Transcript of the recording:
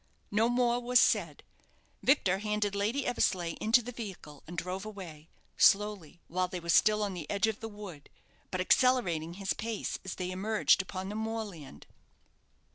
No more was said. Victor handed Lady Eversleigh into the vehicle, and drove away slowly while they were still on the edge of the wood; but accelerating his pace as they emerged upon the moorland.